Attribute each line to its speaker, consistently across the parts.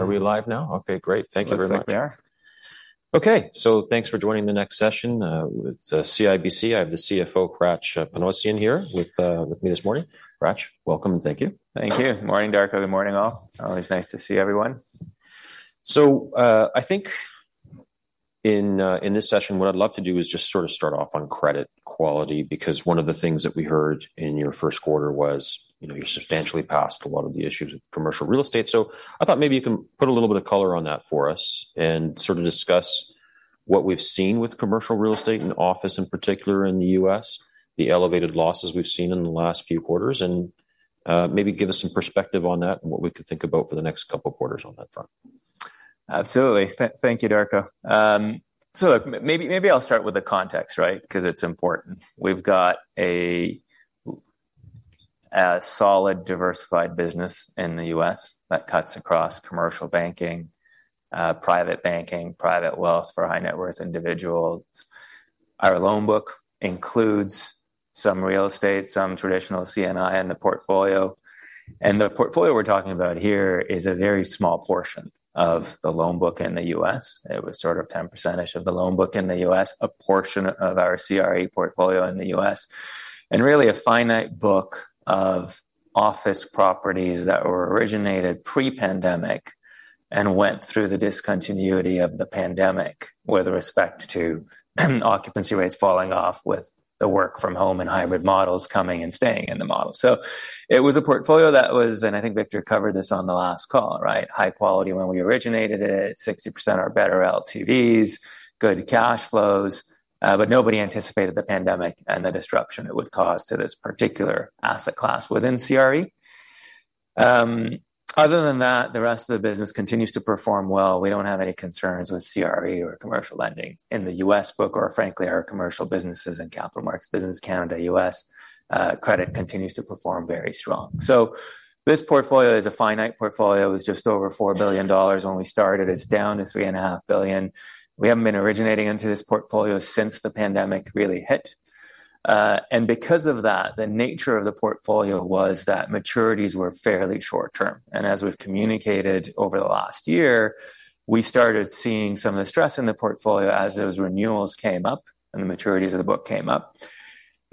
Speaker 1: Are we live now? Okay, great. Thank you very much.
Speaker 2: Looks like we are.
Speaker 1: Okay, so thanks for joining the next session with CIBC. I have the CFO, Hratch Panossian, here with me this morning. Hratch, welcome, and thank you.
Speaker 2: Thank you. Morning, Darko. Good morning, all. Always nice to see everyone.
Speaker 1: So, I think in, in this session, what I'd love to do is just sort of start off on credit quality, because one of the things that we heard in your first quarter was, you know, you're substantially past a lot of the issues with commercial real estate. So I thought maybe you can put a little bit of color on that for us and sort of discuss what we've seen with commercial real estate and office, in particular in the U.S., the elevated losses we've seen in the last few quarters, and, maybe give us some perspective on that and what we could think about for the next couple quarters on that front.
Speaker 2: Absolutely. Thank you, Darko. So maybe I'll start with the context, right? 'Cause it's important. We've got a solid, diversified business in the U.S. that cuts across commercial banking, private banking, private wealth for high net worth individuals. Our loan book includes some real estate, some traditional C&I in the portfolio, and the portfolio we're talking about here is a very small portion of the loan book in the U.S. It was sort of 10% of the loan book in the U.S., a portion of our CRE portfolio in the U.S., and really a finite book of office properties that were originated pre-pandemic and went through the discontinuity of the pandemic with respect to occupancy rates falling off with the work-from-home and hybrid models coming and staying in the model. So it was a portfolio that was... I think Victor covered this on the last call, right? High quality when we originated it, 60% are better LTVs, good cash flows, but nobody anticipated the pandemic and the disruption it would cause to this particular asset class within CRE. Other than that, the rest of the business continues to perform well. We don't have any concerns with CRE or commercial lending in the U.S. book or frankly, our commercial businesses and capital markets, business Canada, U.S., credit continues to perform very strong. This portfolio is a finite portfolio. It was just over $4 billion when we started. It's down to $3.5 billion. We haven't been originating into this portfolio since the pandemic really hit. Because of that, the nature of the portfolio was that maturities were fairly short-term. As we've communicated over the last year, we started seeing some of the stress in the portfolio as those renewals came up and the maturities of the book came up.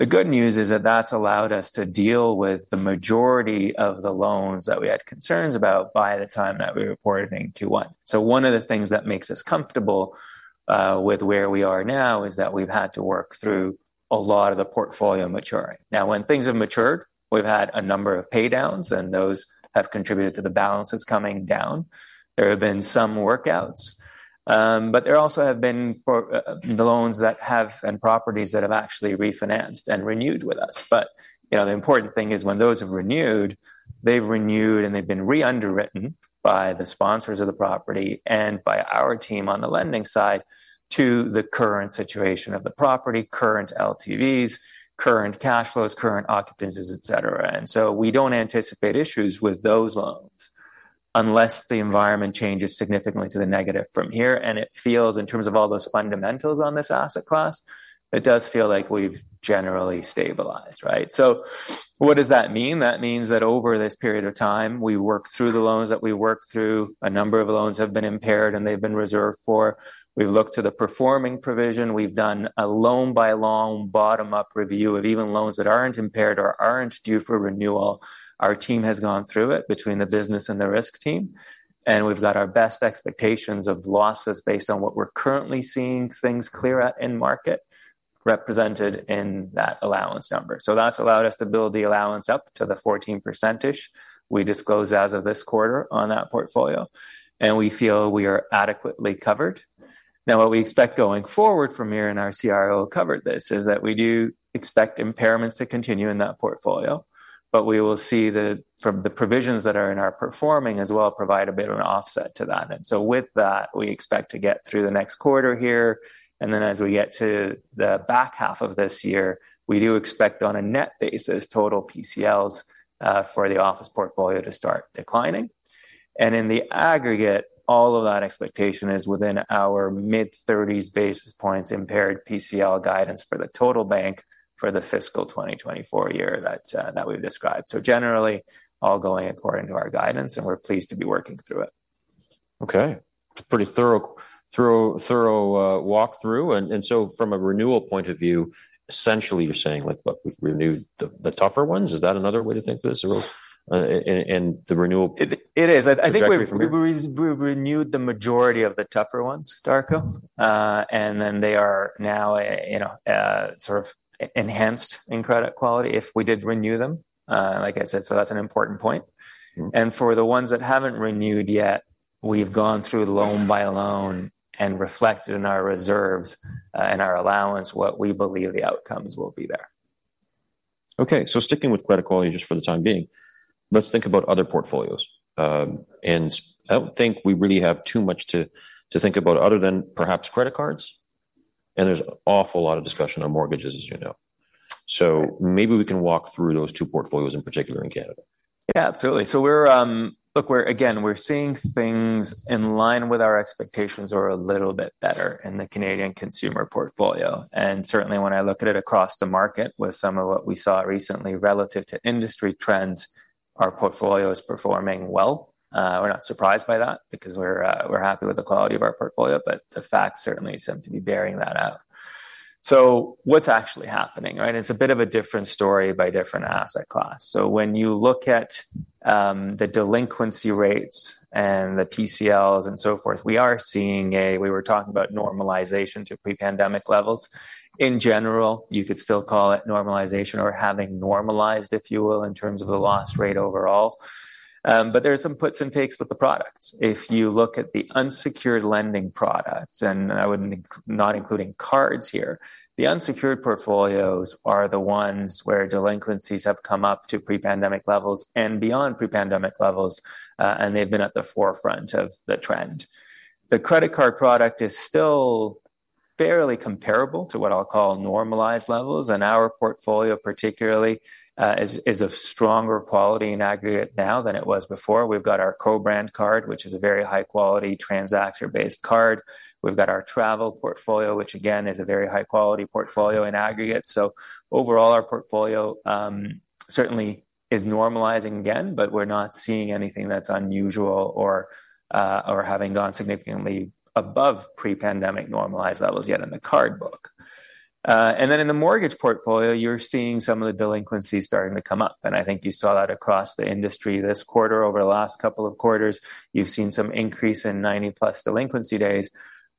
Speaker 2: The good news is that that's allowed us to deal with the majority of the loans that we had concerns about by the time that we reported in Q1. One of the things that makes us comfortable with where we are now is that we've had to work through a lot of the portfolio maturing. Now, when things have matured, we've had a number of pay downs, and those have contributed to the balances coming down. There have been some workouts, but there also have been the loans that have and properties that have actually refinanced and renewed with us. But, you know, the important thing is when those have renewed, they've renewed and they've been re-underwritten by the sponsors of the property and by our team on the lending side to the current situation of the property, current LTVs, current cash flows, current occupancies, et cetera. And so we don't anticipate issues with those loans unless the environment changes significantly to the negative from here. And it feels, in terms of all those fundamentals on this asset class, it does feel like we've generally stabilized, right? So what does that mean? That means that over this period of time, we worked through the loans that we worked through. A number of loans have been impaired, and they've been reserved for. We've looked to the performing provision. We've done a loan-by-loan, bottom-up review of even loans that aren't impaired or aren't due for renewal. Our team has gone through it between the business and the risk team, and we've got our best expectations of losses based on what we're currently seeing things clear at end market, represented in that allowance number. So that's allowed us to build the allowance up to the 14%-ish we disclose as of this quarter on that portfolio, and we feel we are adequately covered. Now, what we expect going forward from here, and our CRO covered this, is that we do expect impairments to continue in that portfolio, but we will see the, from the provisions that are in our performing as well, provide a bit of an offset to that. And so with that, we expect to get through the next quarter here, and then as we get to the back half of this year, we do expect, on a net basis, total PCLs for the office portfolio to start declining. And in the aggregate, all of that expectation is within our mid-30s basis points, impaired PCL guidance for the total bank for the Fiscal 2024 year that that we've described. So generally, all going according to our guidance, and we're pleased to be working through it.
Speaker 1: Okay. Pretty thorough, thorough, thorough walk-through. And so from a renewal point of view, essentially, you're saying like what? We've renewed the tougher ones. Is that another way to think of this overall, and the renewal-
Speaker 2: It is.
Speaker 1: Trajectory from here?
Speaker 2: I think we've renewed the majority of the tougher ones, Darko. And then they are now, you know, sort of enhanced in credit quality if we did renew them, like I said, so that's an important point. For the ones that haven't renewed yet, we've gone through loan-by-loan and reflected in our reserves, and our allowance, what we believe the outcomes will be there.
Speaker 1: Okay. So sticking with credit quality, just for the time being, let's think about other portfolios. I don't think we really have too much to think about, other than perhaps credit cards, and there's an awful lot of discussion on mortgages, as you know. So maybe we can walk through those two portfolios in particular in Canada.
Speaker 2: Yeah, absolutely. So we're, look, we're again, we're seeing things in line with our expectations or a little bit better in the Canadian consumer portfolio. And certainly when I look at it across the market with some of what we saw recently relative to industry trends, our portfolio is performing well. We're not surprised by that because we're happy with the quality of our portfolio, but the facts certainly seem to be bearing that out. So what's actually happening, right? It's a bit of a different story by different asset class. So when you look at the delinquency rates and the PCLs and so forth, we are seeing we were talking about normalization to pre-pandemic levels. In general, you could still call it normalization or having normalized, if you will, in terms of the loss rate overall. But there are some puts and takes with the products. If you look at the unsecured lending products, and I would not include cards here, the unsecured portfolios are the ones where delinquencies have come up to pre-pandemic levels and beyond pre-pandemic levels, and they've been at the forefront of the trend. The credit card product is still fairly comparable to what I'll call normalized levels, and our portfolio particularly is of stronger quality in aggregate now than it was before. We've got our co-brand card, which is a very high-quality, transaction-based card. We've got our travel portfolio, which again, is a very high-quality portfolio in aggregate. So overall, our portfolio certainly is normalizing again, but we're not seeing anything that's unusual or, or having gone significantly above pre-pandemic normalized levels yet in the card book. And then in the mortgage portfolio, you're seeing some of the delinquencies starting to come up, and I think you saw that across the industry this quarter. Over the last couple of quarters, you've seen some increase in 90-plus delinquency days,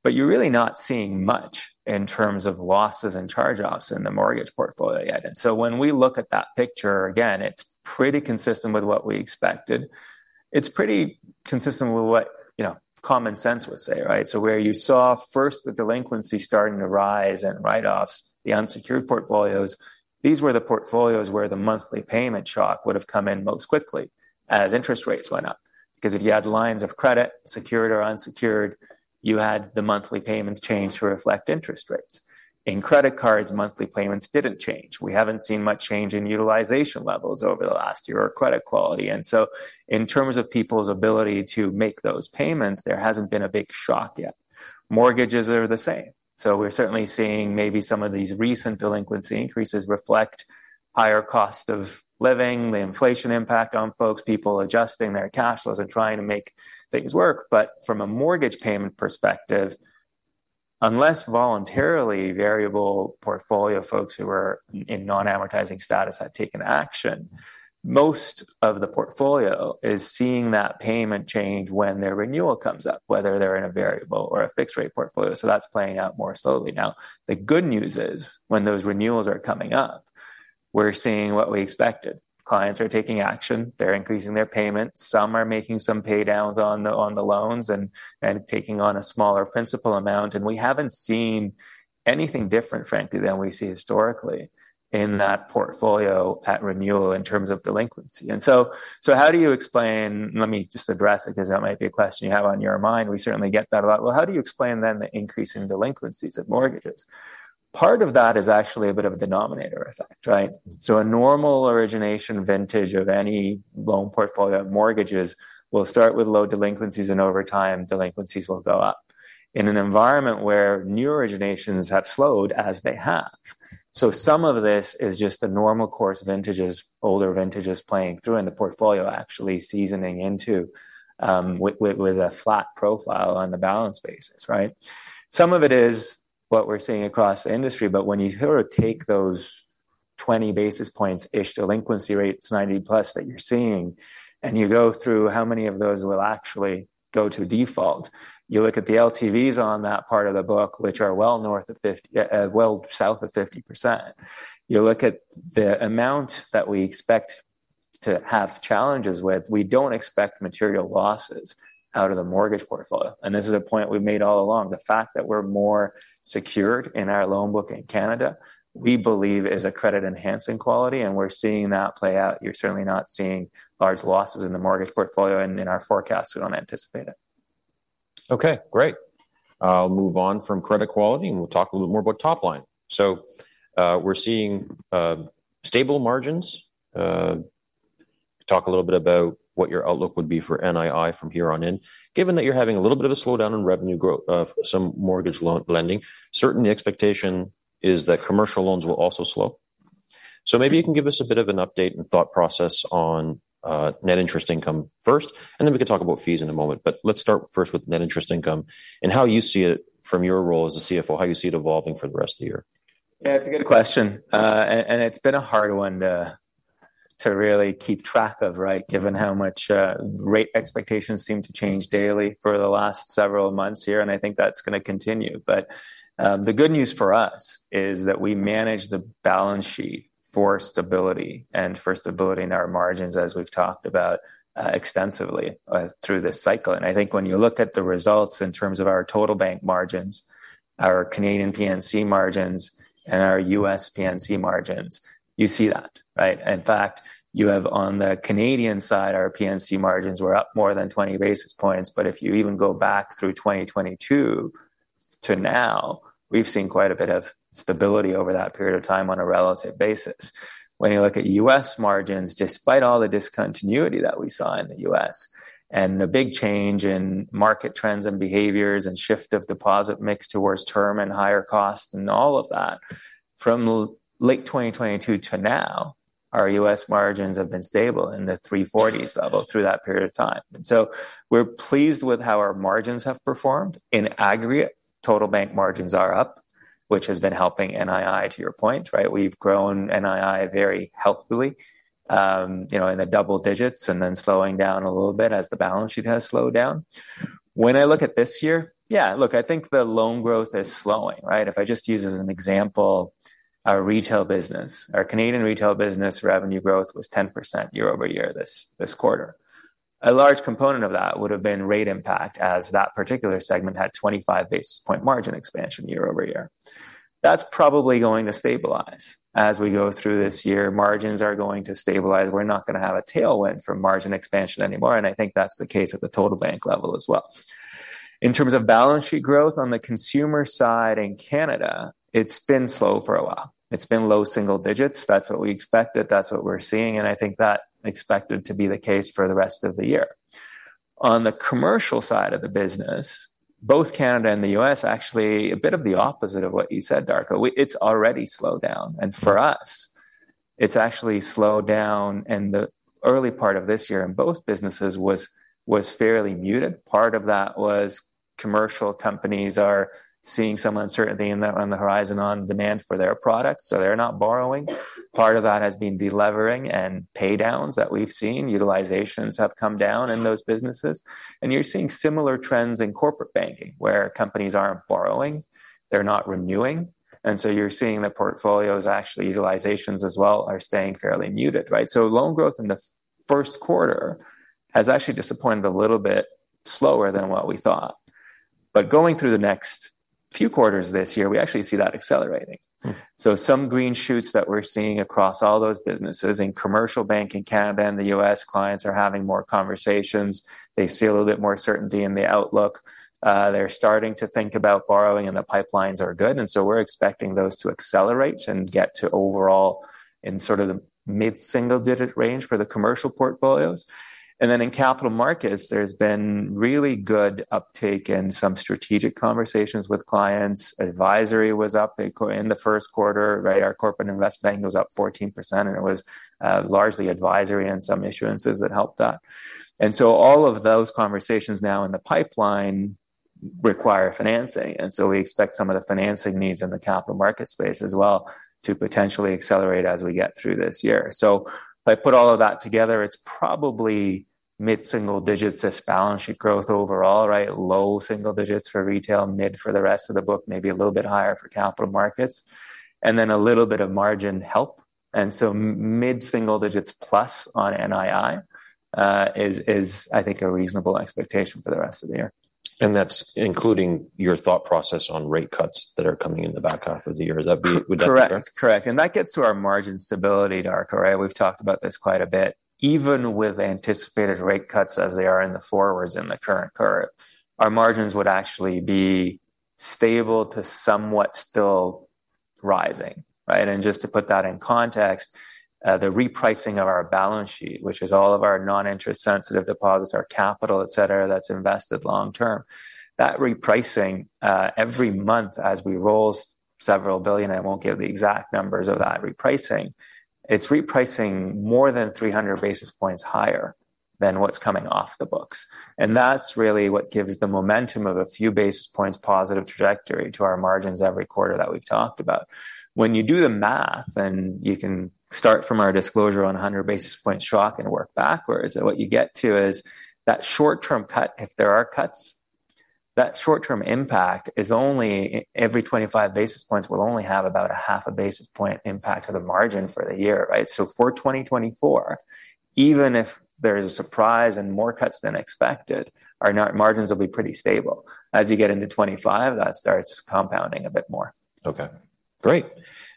Speaker 2: but you're really not seeing much in terms of losses and charge-offs in the mortgage portfolio yet. And so when we look at that picture, again, it's pretty consistent with what we expected. It's pretty consistent with what, you know, common sense would say, right? So where you saw first the delinquency starting to rise and write-offs, the unsecured portfolios, these were the portfolios where the monthly payment shock would have come in most quickly as interest rates went up. Because if you had lines of credit, secured or unsecured, you had the monthly payments change to reflect interest rates. In credit cards, monthly payments didn't change. We haven't seen much change in utilization levels over the last year or credit quality, and so in terms of people's ability to make those payments, there hasn't been a big shock yet. Mortgages are the same. So we're certainly seeing maybe some of these recent delinquency increases reflect higher cost of living, the inflation impact on folks, people adjusting their cash flows and trying to make things work. But from a mortgage payment perspective, unless voluntarily variable portfolio folks who are in non-amortizing status have taken action, most of the portfolio is seeing that payment change when their renewal comes up, whether they're in a variable or a fixed-rate portfolio. So that's playing out more slowly. Now, the good news is, when those renewals are coming up, we're seeing what we expected. Clients are taking action. They're increasing their payments. Some are making some pay downs on the loans and taking on a smaller principal amount. And we haven't seen anything different, frankly, than we see historically in that portfolio at renewal in terms of delinquency. And so how do you explain. Let me just address it, because that might be a question you have on your mind. We certainly get that a lot. Well, how do you explain then the increase in delinquencies of mortgages? Part of that is actually a bit of a denominator effect, right? So a normal origination vintage of any loan portfolio mortgages will start with low delinquencies, and over time, delinquencies will go up. In an environment where new originations have slowed as they have, so some of this is just a normal course of vintages, older vintages playing through in the portfolio, actually seasoning into with a flat profile on the balance basis, right? Some of it is what we're seeing across the industry, but when you take those 20 basis points-ish delinquency rates, 90+ that you're seeing, and you go through how many of those will actually go to default, you look at the LTVs on that part of the book, which are well north of 50, well south of 50%. You look at the amount that we expect to have challenges with, we don't expect material losses out of the mortgage portfolio. And this is a point we've made all along. The fact that we're more secured in our loan book in Canada, we believe is a credit-enhancing quality, and we're seeing that play out. You're certainly not seeing large losses in the mortgage portfolio, and in our forecast, we don't anticipate it.
Speaker 1: Okay, great. I'll move on from credit quality, and we'll talk a little more about top line. So, we're seeing stable margins. Talk a little bit about what your outlook would be for NII from here on in. Given that you're having a little bit of a slowdown in revenue growth, some mortgage lending, certainly expectation is that commercial loans will also slow. So maybe you can give us a bit of an update and thought process on net interest income first, and then we can talk about fees in a moment. But let's start first with net interest income and how you see it from your role as a CFO, how you see it evolving for the rest of the year.
Speaker 2: Yeah, it's a good question, and, and it's been a hard one to really keep track of, right? Given how much, rate expectations seem to change daily for the last several months here, and I think that's gonna continue. But, the good news for us is that we manage the balance sheet for stability and for stability in our margins, as we've talked about, extensively, through this cycle. And I think when you look at the results in terms of our total bank margins, our Canadian P&C margins, and our U.S. P&C margins, you see that, right? In fact, you have on the Canadian side, our P&C margins were up more than 20 basis points. But if you even go back through 2022 to now, we've seen quite a bit of stability over that period of time on a relative basis. When you look at U.S. margins, despite all the discontinuity that we saw in the U.S. and the big change in market trends and behaviors, and shift of deposit mix towards term and higher cost, and all of that, from late 2022 to now, our U.S. margins have been stable in the 3.40s level through that period of time. So we're pleased with how our margins have performed. In aggregate, total bank margins are up, which has been helping NII, to your point, right? We've grown NII very healthily, you know, in the double-digits, and then slowing down a little bit as the balance sheet has slowed down. When I look at this year, yeah, look, I think the loan growth is slowing, right? If I just use as an example, our Retail business. Our Canadian Retail business revenue growth was 10% year-over-year this quarter. A large component of that would've been rate impact, as that particular segment had 25 basis point margin expansion year-over-year. That's probably going to stabilize. As we go through this year, margins are going to stabilize. We're not gonna have a tailwind from margin expansion anymore, and I think that's the case at the total bank level as well. In terms of balance sheet growth, on the consumer side in Canada, it's been slow for a while. It's been low-single-digits. That's what we expected, that's what we're seeing, and I think that expected to be the case for the rest of the year. On the commercial side of the business, both Canada and the U.S., actually, a bit of the opposite of what you said, Darko. It's already slowed down, and for us, it's actually slowed down, and the early part of this year in both businesses was fairly muted. Part of that was commercial companies are seeing some uncertainty on the horizon on demand for their products, so they're not borrowing. Part of that has been de-levering and pay downs that we've seen. Utilizations have come down in those businesses. And you're seeing similar trends in corporate banking, where companies aren't borrowing, they're not renewing, and so you're seeing the portfolios, actually, utilizations as well, are staying fairly muted, right? So loan growth in the first quarter has actually disappointed a little bit slower than what we thought. But going through the next few quarters this year, we actually see that accelerating. So some green shoots that we're seeing across all those businesses in Commercial Banking, Canada and the U.S., clients are having more conversations. They see a little bit more certainty in the outlook. They're starting to think about borrowing, and the pipelines are good, and so we're expecting those to accelerate and get to overall in sort of the mid-single digit range for the commercial portfolios. And then in Capital Markets, there's been really good uptake and some strategic conversations with clients. Advisory was up in the first quarter, right? Our corporate investment bank was up 14%, and it was largely advisory and some issuances that helped that. And so all of those conversations now in the pipeline require financing, and so we expect some of the financing needs in the capital market space as well to potentially accelerate as we get through this year. So if I put all of that together, it's probably mid-single-digits as balance sheet growth overall, right? Low single-digits for retail, mid for the rest of the book, maybe a little bit higher for capital markets, and then a little bit of margin help. And so mid-single-digits plus on NII is, I think, a reasonable expectation for the rest of the year.
Speaker 1: That's including your thought process on rate cuts that are coming in the back half of the year. Would that be correct?
Speaker 2: Correct. Correct. And that gets to our margin stability, Darko, right? We've talked about this quite a bit. Even with anticipated rate cuts as they are in the forwards in the current curve, our margins would actually be stable to somewhat still rising, right? And just to put that in context, the repricing of our balance sheet, which is all of our non-interest sensitive deposits, our capital, et cetera, that's invested long-term, that repricing, every month as we roll several billion CAD, I won't give the exact numbers of that repricing, it's repricing more than 300 basis points higher than what's coming off the books. And that's really what gives the momentum of a few basis points positive trajectory to our margins every quarter that we've talked about. When you do the math, and you can start from our disclosure on a 100 basis point shock and work backwards, and what you get to is that short-term cut, if there are cuts, that short-term impact is only every 25 basis points will only have about 0.5 basis point impact to the margin for the year, right? So for 2024, even if there is a surprise and more cuts than expected, our net margins will be pretty stable. As you get into 2025, that starts compounding a bit more.
Speaker 1: Okay. Great.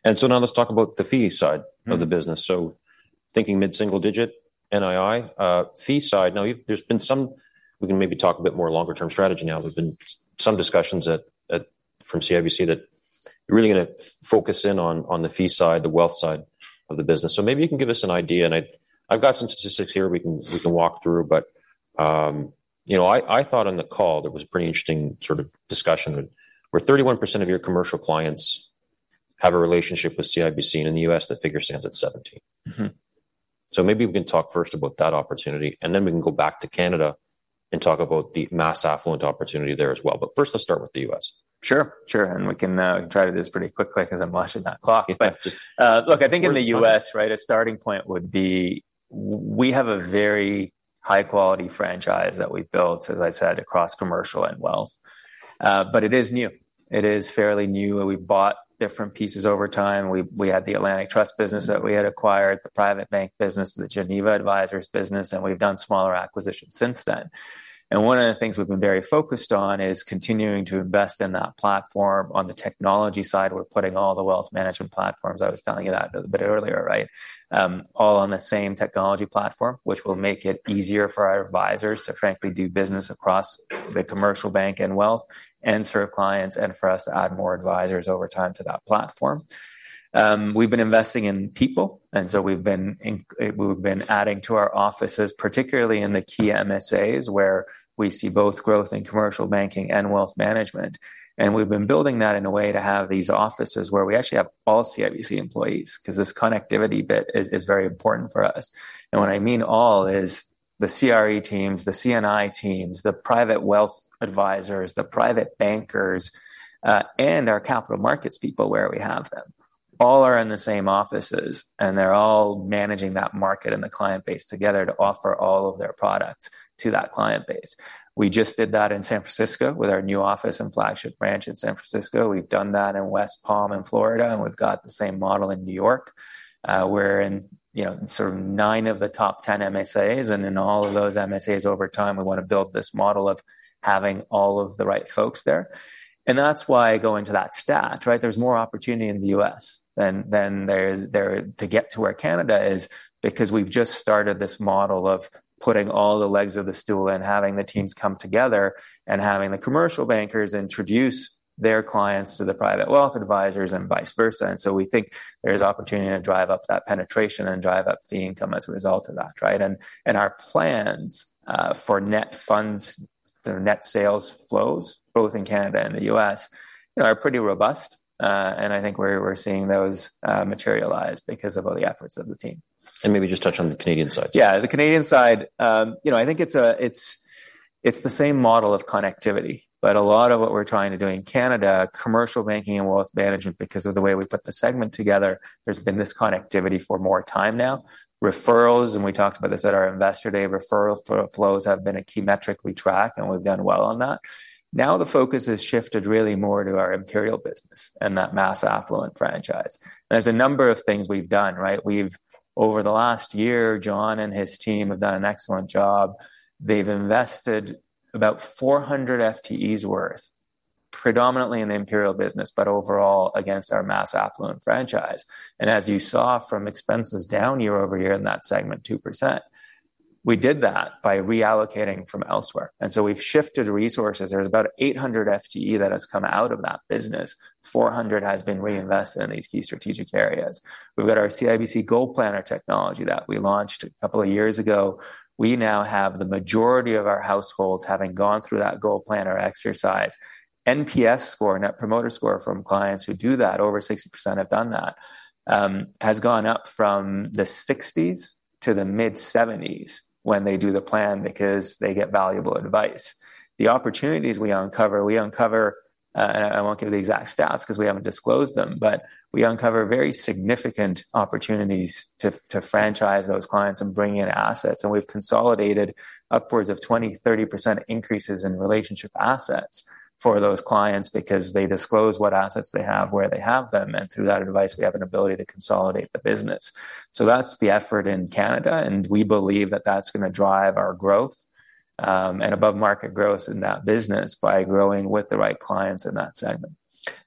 Speaker 1: And so now let's talk about the fee side of the business. So thinking mid-single-digit NII, fee side, now we can maybe talk a bit more longer term strategy now. There's been some discussions at, from CIBC that you're really gonna focus in on, on the fee side, the wealth side of the business. So maybe you can give us an idea, and I've got some statistics here we can, we can walk through, but, you know, I thought on the call, there was a pretty interesting sort of discussion, where 31% of your commercial clients have a relationship with CIBC, and in the U.S., that figure stands at 17%. So maybe we can talk first about that opportunity, and then we can go back to Canada and talk about the mass affluent opportunity there as well. But first, let's start with the U.S.
Speaker 2: Sure, sure, and we can try this pretty quickly, 'cause I'm watching that clock.
Speaker 1: Just-
Speaker 2: But, look, I think in the U.S.-
Speaker 1: We're talking-
Speaker 2: ...right, a starting point would be, we have a very high-quality franchise that we've built, as I said, across commercial and wealth. But it is new. It is fairly new, and we've bought different pieces over time. We had the Atlantic Trust business that we had acquired, the private bank business, the Geneva Advisors business, and we've done smaller acquisitions since then. And one of the things we've been very focused on is continuing to invest in that platform. On the technology side, we're putting all the wealth management platforms. I was telling you that a bit earlier, right? All on the same technology platform, which will make it easier for our advisors to frankly do business across the commercial bank and wealth and serve clients, and for us to add more advisors over time to that platform. We've been investing in people, and so we've been adding to our offices, particularly in the key MSAs, where we see both growth in Commercial Banking and wealth management. And we've been building that in a way to have these offices where we actually have all CIBC employees, 'cause this connectivity bit is very important for us. And what I mean all is the CRE teams, the C&I teams, the private wealth advisors, the private bankers, and our capital markets people, where we have them. All are in the same offices, and they're all managing that market and the client base together to offer all of their products to that client base. We just did that in San Francisco with our new office and flagship branch in San Francisco. We've done that in West Palm, in Florida, and we've got the same model in New York. We're in, you know, sort of nine of the top 10 MSAs, and in all of those MSAs, over time, we wanna build this model of having all of the right folks there. And that's why going to that stat, right? There's more opportunity in the U.S. than there is there to get to where Canada is, because we've just started this model of putting all the legs of the stool in, having the teams come together, and having the commercial bankers introduce their clients to the private wealth advisors, and vice versa. And so we think there's opportunity to drive up that penetration and drive up the income as a result of that, right? Our plans for net funds, the net sales flows, both in Canada and the U.S., you know, are pretty robust. I think we're seeing those materialize because of all the efforts of the team.
Speaker 1: Maybe just touch on the Canadian side.
Speaker 2: Yeah, the Canadian side, you know, I think it's the same model of connectivity, but a lot of what we're trying to do in Canada, Commercial Banking and wealth management, because of the way we put the segment together, there's been this connectivity for more time now. Referrals, and we talked about this at our Investor Day, referral flows have been a key metric we track, and we've done well on that. Now the focus has shifted really more to our Imperial business and that mass affluent franchise. There's a number of things we've done, right? Over the last year, Jon and his team have done an excellent job. They've invested about 400 FTEs worth, predominantly in the Imperial business, but overall against our mass affluent franchise. As you saw from expenses down year-over-year in that segment, 2%, we did that by reallocating from elsewhere. So we've shifted resources. There's about 800 FTE that has come out of that business. 400 has been reinvested in these key strategic areas. We've got our CIBC GoalPlanner technology that we launched a couple of years ago. We now have the majority of our households having gone through that GoalPlanner exercise. NPS score, Net Promoter Score, from clients who do that, over 60% have done that, has gone up from the 60s to the mid-70s when they do the plan because they get valuable advice. The opportunities we uncover and I won't give the exact stats 'cause we haven't disclosed them, but we uncover very significant opportunities to franchise those clients and bring in assets. And we've consolidated upwards of 20%-30% increases in relationship assets for those clients because they disclose what assets they have, where they have them, and through that advice, we have an ability to consolidate the business. So that's the effort in Canada, and we believe that that's gonna drive our growth, and above-market growth in that business by growing with the right clients in that segment.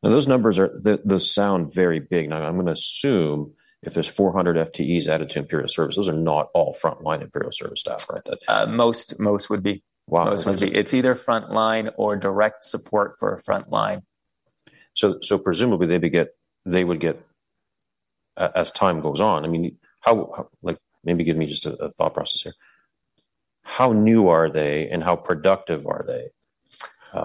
Speaker 1: Now, those numbers are. Those sound very big. Now, I'm gonna assume if there's 400 FTEs added to Imperial Service, those are not all frontline Imperial Service staff, right?
Speaker 2: Most would be.
Speaker 1: Wow!
Speaker 2: Most would be. It's either frontline or direct support for a frontline.
Speaker 1: So, presumably they would get, they would get, as time goes on. I mean, how—like, maybe give me just a thought process here. How new are they and how productive are they?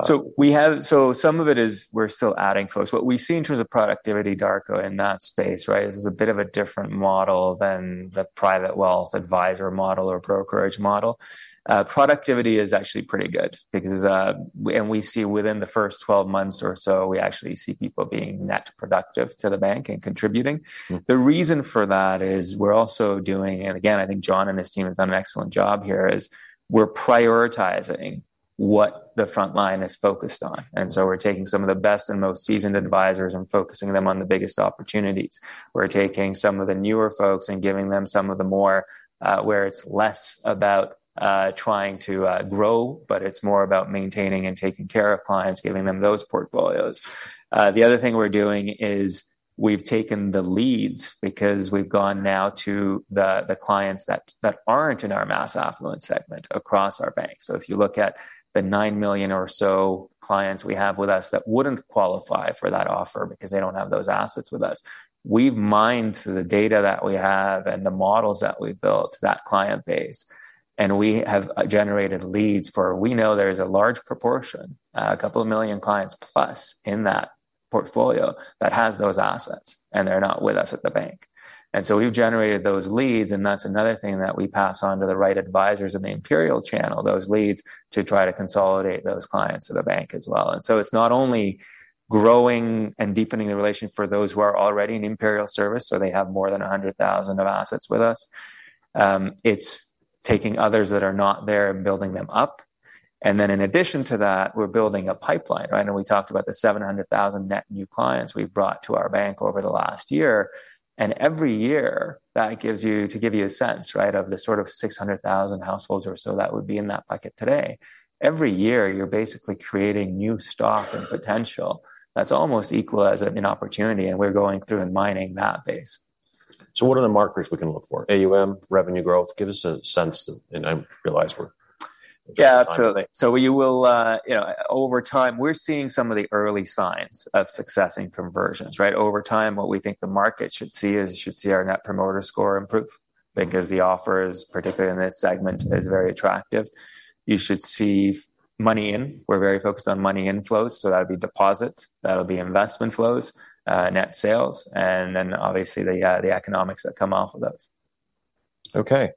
Speaker 2: Some of it is we're still adding folks. What we see in terms of productivity, Darko, in that space, right, this is a bit of a different model than the private wealth advisor model or Brokerage model. Productivity is actually pretty good because, and we see within the first 12 months or so, we actually see people being net productive to the bank and contributing. The reason for that is we're also doing. And again, I think Jon and his team have done an excellent job here, is we're prioritizing what the frontline is focused on. And so we're taking some of the best and most seasoned advisors and focusing them on the biggest opportunities. We're taking some of the newer folks and giving them some of the more where it's less about trying to grow, but it's more about maintaining and taking care of clients, giving them those portfolios. The other thing we're doing is we've taken the leads because we've gone now to the clients that aren't in our mass affluent segment across our bank. So if you look at the 9 million or so clients we have with us that wouldn't qualify for that offer because they don't have those assets with us, we've mined the data that we have and the models that we've built, that client base, and we have generated leads. We know there is a large proportion, a couple of million clients plus in that portfolio, that has those assets, and they're not with us at the bank. And so we've generated those leads, and that's another thing that we pass on to the right advisors in the Imperial channel, those leads, to try to consolidate those clients to the bank as well. And so it's not only growing and deepening the relationship for those who are already in Imperial Service, so they have more than 100,000 of assets with us, it's-... taking others that are not there and building them up. And then in addition to that, we're building a pipeline, right? I know we talked about the 700,000 net new clients we've brought to our bank over the last year, and every year, that gives you to give you a sense, right, of the sort of 600,000 households or so that would be in that bucket today. Every year, you're basically creating new stock and potential that's almost equal as an opportunity, and we're going through and mining that base.
Speaker 1: So what are the markers we can look for? AUM, revenue growth? Give us a sense, and I realize we're-
Speaker 2: Yeah, absolutely. So you will, you know, over time, we're seeing some of the early signs of success in conversions, right? Over time, what we think the market should see is, it should see our Net Promoter Score improve because the offer is, particularly in this segment, is very attractive. You should see money in. We're very focused on money inflows, so that'll be deposits, that'll be investment flows, net sales, and then obviously, the economics that come off of those.
Speaker 1: Okay.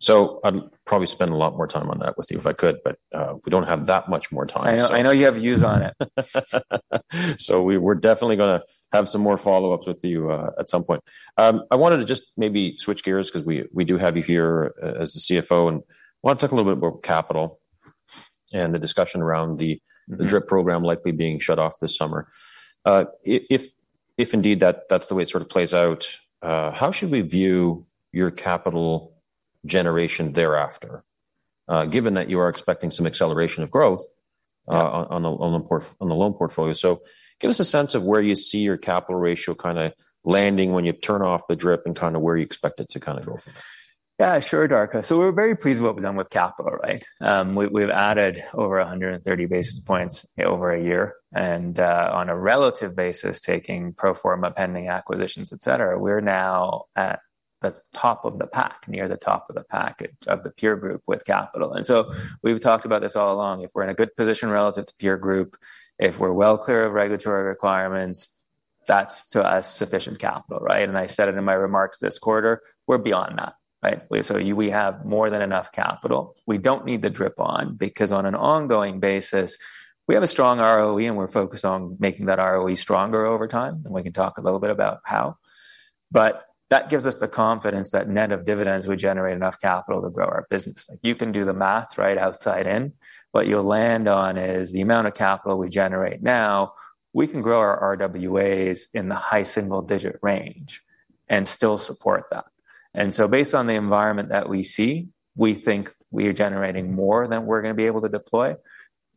Speaker 1: So I'd probably spend a lot more time on that with you if I could, but we don't have that much more time, so-
Speaker 2: I know, I know you have views on it.
Speaker 1: So we're definitely gonna have some more follow-ups with you at some point. I wanted to just maybe switch gears because we do have you here as the CFO, and I want to talk a little bit about capital and the discussion around the DRIP program likely being shut off this summer. If if indeed, that's the way it sort of plays out, how should we view your capital generation thereafter, given that you are expecting some acceleration of growth, on the loan portfolio? So give us a sense of where you see your capital ratio kinda landing when you turn off the DRIP and kinda where you expect it to kinda go from there.
Speaker 2: Yeah, sure, Darko. So we're very pleased with what we've done with capital, right? We've added over 130 basis points over a year, and on a relative basis, taking pro forma, pending acquisitions, et cetera, we're now at the top of the pack, near the top of the pack of the peer group with capital. And so we've talked about this all along. If we're in a good position relative to peer group, if we're well clear of regulatory requirements, that's, to us, sufficient capital, right? And I said it in my remarks this quarter, we're beyond that, right? So we have more than enough capital. We don't need the DRIP on, because on an ongoing basis, we have a strong ROE, and we're focused on making that ROE stronger over time, and we can talk a little bit about how. But that gives us the confidence that net of dividends, we generate enough capital to grow our business. You can do the math, right, outside in. What you'll land on is the amount of capital we generate now, we can grow our RWAs in the high single-digit range and still support that. And so based on the environment that we see, we think we are generating more than we're gonna be able to deploy.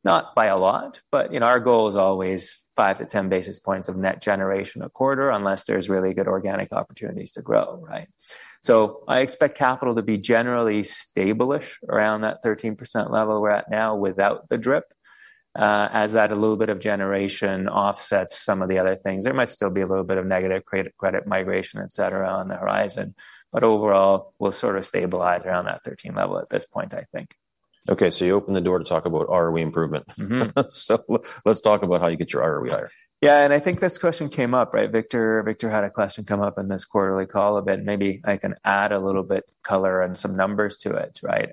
Speaker 2: Not by a lot, but, you know, our goal is always 5-10 basis points of net generation a quarter, unless there's really good organic opportunities to grow, right? So I expect capital to be generally stable-ish around that 13% level we're at now without the DRIP, as that a little bit of generation offsets some of the other things. There might still be a little bit of negative credit, credit migration, et cetera, on the horizon, but overall, we'll sort of stabilize around that 13 level at this point, I think.
Speaker 1: Okay, you opened the door to talk about ROE improvement. So let's talk about how you get your ROE higher.
Speaker 2: Yeah, and I think this question came up, right, Victor? Victor had a question come up in this quarterly call a bit. Maybe I can add a little bit color and some numbers to it, right?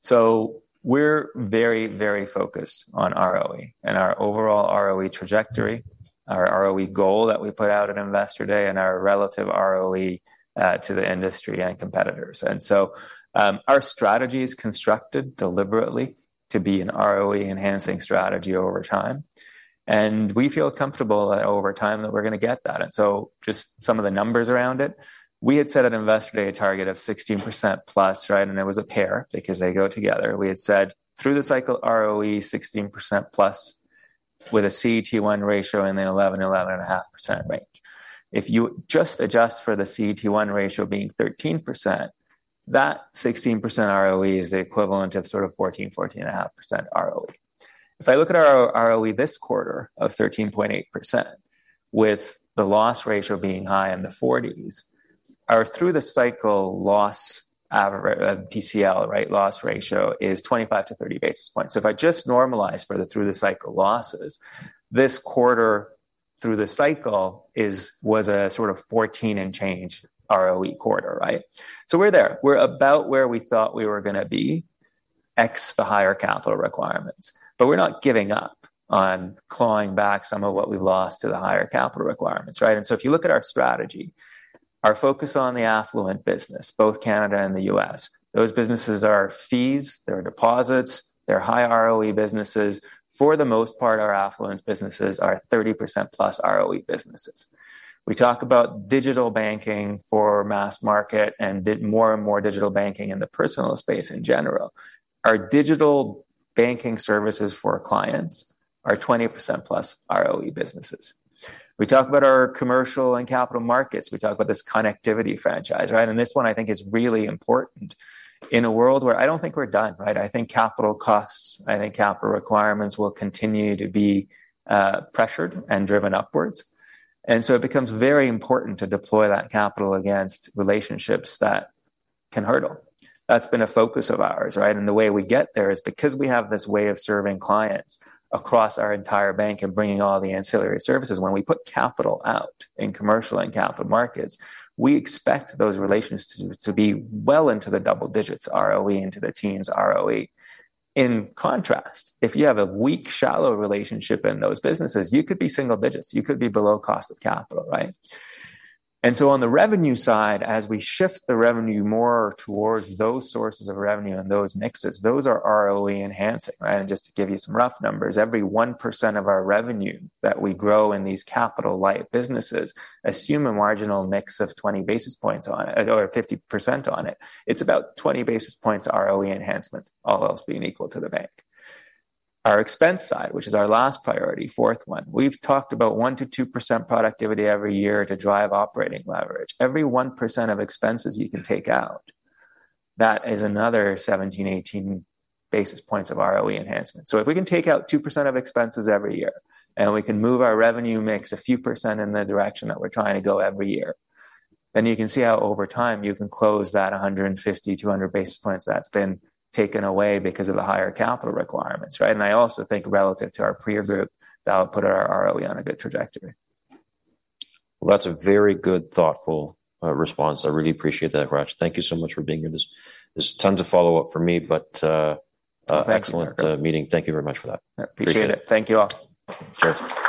Speaker 2: So we're very, very focused on ROE and our overall ROE trajectory, our ROE goal that we put out at Investor Day, and our relative ROE to the industry and competitors. And so, our strategy is constructed deliberately to be an ROE-enhancing strategy over time, and we feel comfortable that over time, that we're gonna get that. And so just some of the numbers around it. We had set an Investor Day target of 16%+, right? And there was a pair, because they go together. We had said through the cycle, ROE 16%+, with a CET1 ratio in the 11%-11.5% range. If you just adjust for the CET1 ratio being 13%, that 16% ROE is the equivalent of sort of 14, 14.5% ROE. If I look at our ROE this quarter of 13.8%, with the loss ratio being high in the 40s, our through-the-cycle loss, PCL, right, loss ratio is 25-30 basis points. So if I just normalize for the through-the-cycle losses, this quarter, through the cycle was a sort of 14 and change ROE quarter, right? So we're there. We're about where we thought we were gonna be, ex the higher capital requirements. But we're not giving up on clawing back some of what we've lost to the higher capital requirements, right? And so if you look at our strategy, our focus on the affluent business, both Canada and the U.S., those businesses are fees, they're deposits, they're high ROE businesses. For the most part, our affluent businesses are 30%+ ROE businesses. We talk about digital banking for mass market and more and more digital banking in the personal space in general. Our Digital Banking Services for clients are 20%+ ROE businesses. We talk about our commercial and capital markets. We talk about this connectivity franchise, right? And this one I think is really important. In a world where I don't think we're done, right? I think capital costs, I think capital requirements will continue to be pressured and driven upwards. And so it becomes very important to deploy that capital against relationships that can hurdle. That's been a focus of ours, right? The way we get there is because we have this way of serving clients across our entire bank and bringing all the ancillary services. When we put capital out in commercial and capital markets, we expect those relations to be well into the double-digits ROE, into the teens ROE. In contrast, if you have a weak, shallow relationship in those businesses, you could be single-digits. You could be below cost of capital, right? And so on the revenue side, as we shift the revenue more towards those sources of revenue and those mixes, those are ROE enhancing, right? And just to give you some rough numbers, every 1% of our revenue that we grow in these capital-light businesses assume a marginal mix of 20 basis points on it or 50% on it. It's about 20 basis points ROE enhancement, all else being equal to the bank. Our expense side, which is our last priority, fourth one, we've talked about 1%-2% productivity every year to drive operating leverage. Every 1% of expenses you can take out, that is another 17, 18 basis points of ROE enhancement. So if we can take out 2% of expenses every year, and we can move our revenue mix a few percent in the direction that we're trying to go every year, then you can see how over time, you can close that 150-200 basis points that's been taken away because of the higher capital requirements, right? And I also think relative to our peer group, that'll put our ROE on a good trajectory.
Speaker 1: Well, that's a very good, thoughtful, response. I really appreciate that, Hratch. Thank you so much for being here. There's tons of follow-up for me, but,
Speaker 2: Thanks...
Speaker 1: excellent, meeting. Thank you very much for that.
Speaker 2: Appreciate it.
Speaker 1: Thank you.
Speaker 2: Thank you all.
Speaker 1: Cheers.